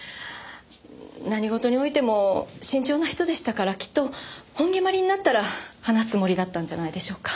何事においても慎重な人でしたからきっと本決まりになったら話すつもりだったんじゃないでしょうか？